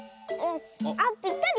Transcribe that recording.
あっぴったり。